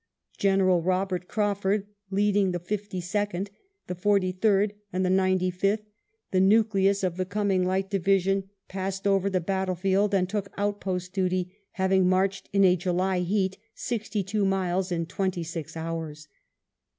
General Eobert Crawford, leading the Fifty second, the Forty third, and the Ninety fifth, the nucleus of the coming Light Division, passed over VI RETREATS OVER THE TAGUS 125 the battlefield and took outpost duty, having marched in a July heat sixty two miles in twentynsix hours.